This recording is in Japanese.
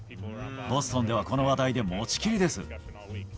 ボストンではこの話題で持ちきりです。